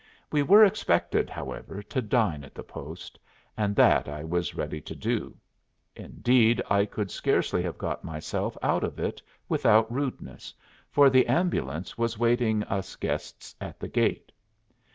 We were expected, however, to dine at the post, and that I was ready to do. Indeed, I could scarcely have got myself out of it without rudeness, for the ambulance was waiting us guests at the gate.